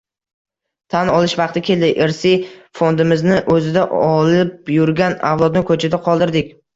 Tan olish vaqti keldi – irsiy fondimizni o‘zida olib yurgan avlodni ko‘chada qoldirdik.